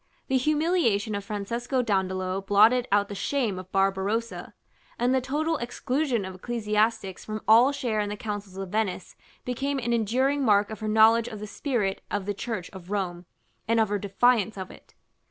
The humiliation of Francesco Dandolo blotted out the shame of Barbarossa, and the total exclusion of ecclesiastics from all share in the councils of Venice became an enduring mark of her knowledge of the spirit of the Church of Rome, and of her defiance of it.